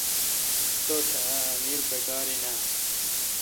تاٹھ اؘ امیر پکار این اؘ۔